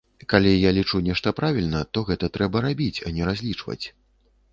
Калі я лічу нешта правільна, то гэта трэба рабіць, а не разлічваць.